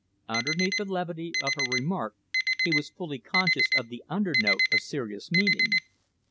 Underneath the levity of her remark, he was fully conscious of the undernote of serious meaning.